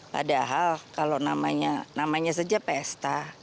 padahal kalau namanya saja pesta